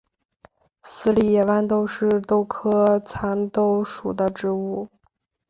四籽野豌豆是豆科蚕豆属的植物。